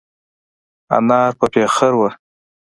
انار په پېخر وه.